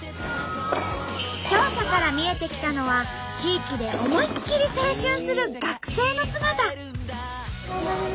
調査から見えてきたのは地域で思いっ切り青春する学生の姿。